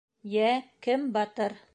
— Йә, кем батыр?